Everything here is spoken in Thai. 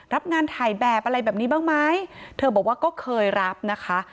รับงานถ่ายแบบอะไรแบบนี้บ้างไหมเธอบอกว่าก็เคยรับนะคะ